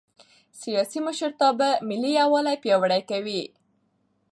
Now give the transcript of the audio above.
سیاسي مشرتابه ملي یووالی پیاوړی کوي